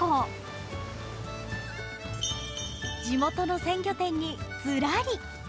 地元の鮮魚店にずらり。